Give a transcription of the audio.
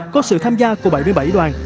có sự tham gia của bảy mươi bảy đoàn